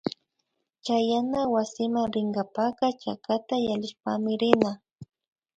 Yachana wasiman rinkapaka chakata yallishpami rina